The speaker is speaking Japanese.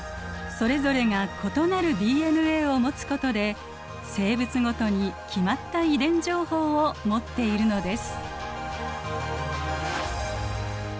それぞれが異なるＤＮＡを持つことで生物ごとに決まった遺伝情報を持っているのです。